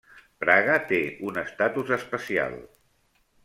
Praga té un estatus especial.